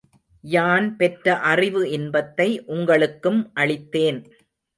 யான் பெற்ற அறிவு இன்பத்தை உங்களுக்கும் அளித்தேன்.